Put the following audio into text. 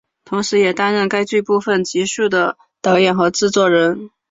同时也担任该剧部分集数的导演和制作人。